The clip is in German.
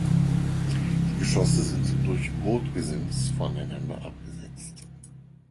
Die Geschosse sind durch Gurtgesims voneinander abgesetzt.